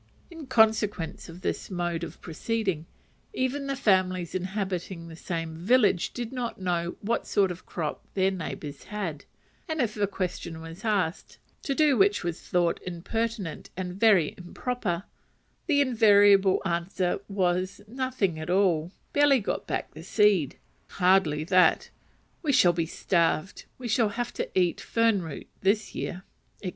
In consequence of this mode of proceeding, even the families inhabiting the same village did not know what sort of a crop their neighbours had, and if a question was asked (to do which was thought impertinent and very improper), the invariable answer was "Nothing at all; barely got back the seed: hardly that; we shall be starved; we shall have to eat fern root this year," &c.